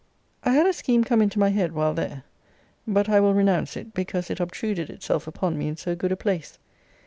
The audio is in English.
I had a scheme come into my head while there; but I will renounce it, because it obtruded itself upon me in so good a place.